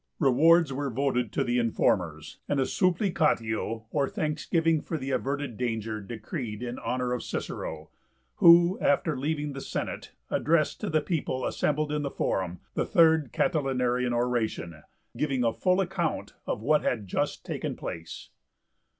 Rewards were voted to the informers, and a 'supplicatio' or thanksgiving for the averted danger decreed in honour of Cicero, who after leaving the Senate addressed to the people assembled in the Forum the Third Catilinarian Oration, giving a full account of what had just taken place.